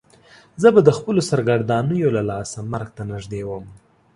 زه به د خپلو سرګردانیو له لاسه مرګ ته نږدې وم.